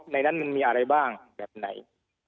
ในนั้นมันมีอะไรบ้างแบบไหน